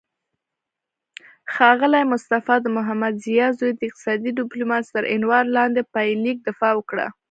ښاغلی مصطفی د محمدضیا زوی د اقتصادي ډیپلوماسي تر عنوان لاندې پایلیک دفاع وکړه